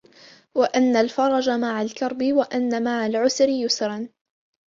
وَأَنَّ الْفَرَجَ مَعَ الْكَرْبِ، وَأَنَّ مَعَ الْعُسْرِ يُسْرًا